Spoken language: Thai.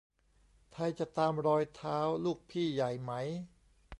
ไทยจะตามรอยเท้าลูกพี่ใหญ่ไหม